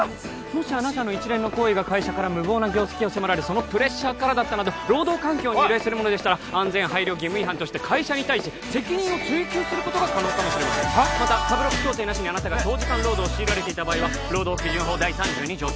もしあなたの一連の行為が会社から無謀な業績を迫られそのプレッシャーからだったなど労働環境に由来するものでしたら安全配慮義務違反として会社に対して責任を追及することが可能かもしれませんまた３６協定なしにあなたが長時間労働を強いられていた場合労働基準法第３２条